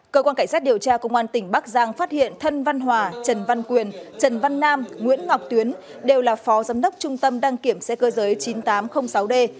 cơ quan cảnh sát điều tra công an tỉnh bắc giang phát hiện thân văn hòa trần văn quyền trần văn nam nguyễn ngọc tuyến đều là phó giám đốc trung tâm đăng kiểm xe cơ giới chín nghìn tám trăm linh sáu d